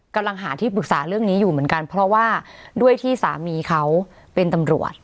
กำลังหาที่ปรึกษาเรื่องนี้อยู่เหมือนกันเพราะว่าด้วยที่สามีเขาเป็นตำรวจ